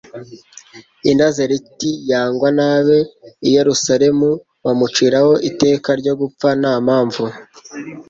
i Nazareti yangwa n'abe, i Yerusalemu bamuciraho iteka ryo gupfa nta mpamvu.